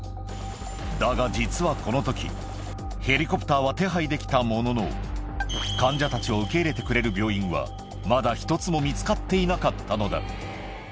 だが実はこのとき、ヘリコプターは手配できたものの、患者たちを受け入れてくれる病院は、まだ一つも見つかっていなかったのだ。